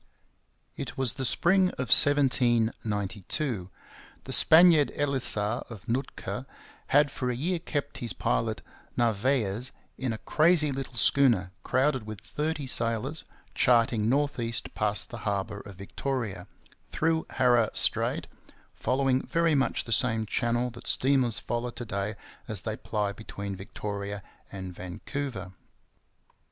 It was the spring of 1792. The Spaniard Elisa of Nootka had for a year kept his pilot Narvaez, in a crazy little schooner crowded with thirty sailors, charting north east past the harbour of Victoria, through Haro Strait, following very much the same channel that steamers follow to day as they ply between Victoria and Vancouver.